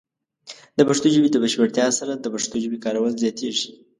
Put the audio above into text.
د پښتو ژبې د بشپړتیا سره، د پښتو ژبې کارول زیاتېږي.